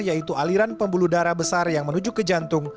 yaitu aliran pembuluh darah besar yang menuju ke jantung